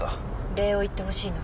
礼を言ってほしいの？